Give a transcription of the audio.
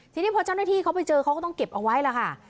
ทีนี้พอเจ้าหน้าที่เขาไปเจอเขาก็ต้องเก็บเอาไว้ล่ะค่ะ